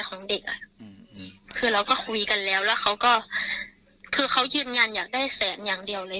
ของเด็กอ่ะอืมคือเราก็คุยกันแล้วแล้วเขาก็คือเขายืนยันอยากได้แสนอย่างเดียวเลย